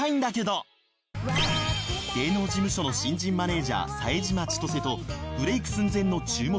芸能事務所の新人マネージャー冴島千歳とブレーク寸前の注目